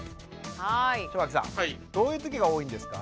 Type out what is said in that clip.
正垣さんどういうときが多いんですか？